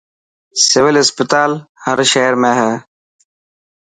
سول اسپتال هر شهر ۾ هي.